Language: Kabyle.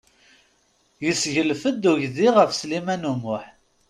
Yesseglef-d uydi ɣef Sliman U Muḥ.